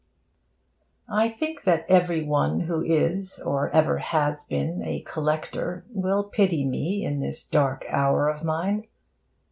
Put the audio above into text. I think that every one who is or ever has been a collector will pity me in this dark hour of mine.